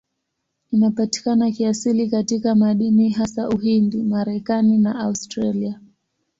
Inapatikana kiasili katika madini, hasa Uhindi, Marekani na Australia.